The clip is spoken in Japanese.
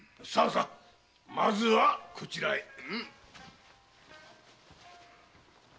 さあまずはこちらへ。